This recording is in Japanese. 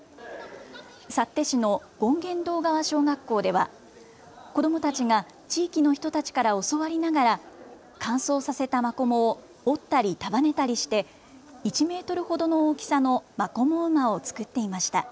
幸手市の権現堂川小学校では子どもたちが地域の人たちから教わりながら乾燥させたまこもを折ったり、束ねたりして１メートルほどの大きさのまこも馬を作っていました。